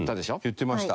言ってました。